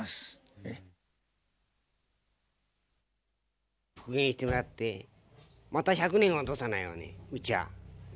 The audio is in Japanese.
ええ。復元してもらってまた１００年は落とさないようにうちは。